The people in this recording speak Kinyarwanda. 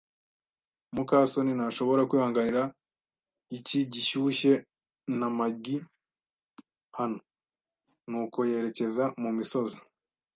muka soni ntashobora kwihanganira icyi gishyushye na muggy hano, nuko yerekeza mumisozi.